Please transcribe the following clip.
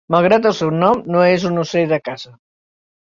Malgrat el seu nom, no és un ocell de caça.